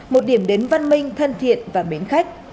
một điểm đến văn minh thân thiện và mến khách